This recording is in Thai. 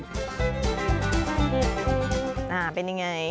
เป็นอย่างไรเป็นอย่างไร